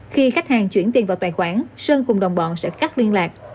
khi khách hàng chuyển tiền vào tài khoản sơn cùng đồng bọn sẽ cắt liên lạc